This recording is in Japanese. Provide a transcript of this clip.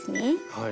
はい。